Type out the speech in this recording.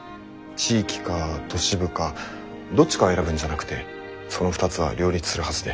地域か都市部かどっちかを選ぶんじゃなくてその２つは両立するはずで。